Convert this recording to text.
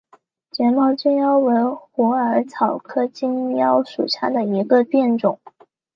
睫毛金腰为虎耳草科金腰属下的一个变种。